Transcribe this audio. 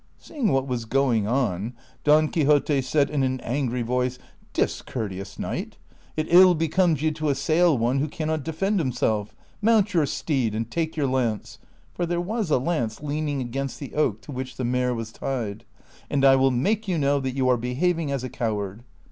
Seeing what was going on, Don Quixote said in an angry voice, " Discourteous knight, it ill becomes you to assail one who cannot defend himself ; mount your steed and take you.r lance " (for there was a lance leaning against the oak to which the mare was tied), *' and I will make you know that you are behaving as a coward."